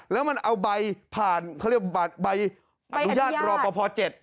แล้วมันเอาใบผ่านเขาเรียกใบอนุญาตรอปภ๗